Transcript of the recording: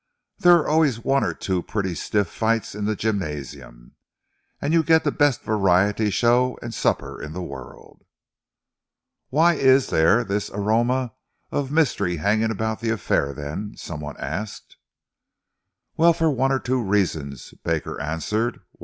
There are always one or two pretty stiff fights in the gymnasium, and you get the best variety show and supper in the world." "Why is there this aroma of mystery hanging about the affair, then?" some one asked. "Well, for one or two reasons," Baker answered.